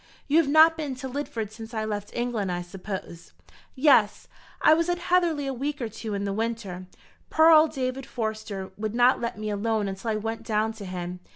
"You have not been to Lidford since I left England, I suppose?" "Yes; I was at Heatherly a week or two in the winter. Poor old David Forster would not let me alone until I went down to him.